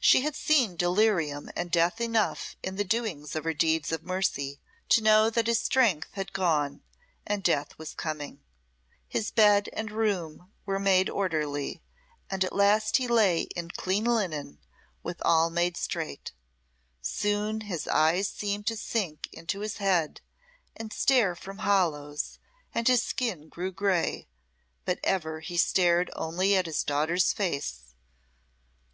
She had seen delirium and death enough in the doings of her deeds of mercy, to know that his strength had gone and death was coming. His bed and room were made orderly, and at last he lay in clean linen, with all made straight. Soon his eyes seemed to sink into his head and stare from hollows, and his skin grew grey, but ever he stared only at his daughter's face.